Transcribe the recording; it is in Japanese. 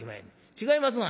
違いますがな」。